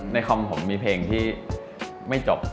คอมผมมีเพลงที่ไม่จบ